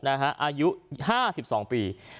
อายุ๕๒ปี